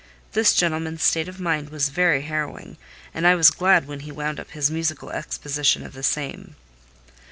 This gentleman's state of mind was very harrowing, and I was glad when he wound up his musical exposition of the same.